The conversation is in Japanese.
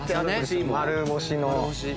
丸干しの。